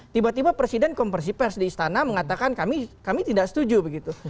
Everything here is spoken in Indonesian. tiba tiba presiden komprsi pers di istana mengatakan kami tidak setuju begitu